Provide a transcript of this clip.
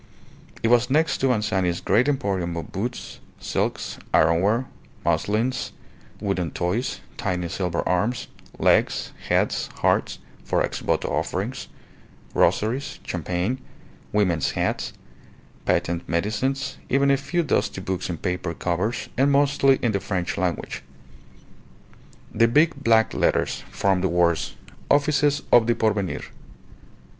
It was next to Anzani's great emporium of boots, silks, ironware, muslins, wooden toys, tiny silver arms, legs, heads, hearts (for ex voto offerings), rosaries, champagne, women's hats, patent medicines, even a few dusty books in paper covers and mostly in the French language. The big black letters formed the words, "Offices of the Porvenir."